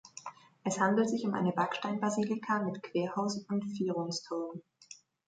Es handelt sich um eine Backsteinbasilika mit Querhaus und Vierungsturm.